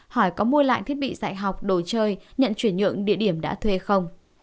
hỏi có mua lại thiết bị dạy học đồ chơi nhận chuyển nhượng địa điểm đã thuê không